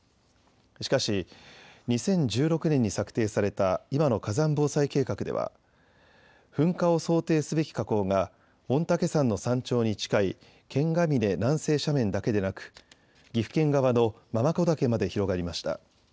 しかし２０１６年に策定された今の火山防災計画では噴火を想定すべき火口が御嶽山の山頂に近い剣ヶ峰南西斜面だけでなく岐阜県側の継子岳まで広がりました。